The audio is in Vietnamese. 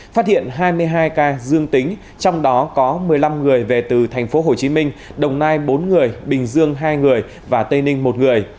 phát hiện hai mươi hai ca dương tính trong đó có một mươi năm người về từ thành phố hồ chí minh đồng nai bốn người bình dương hai người và tây ninh một người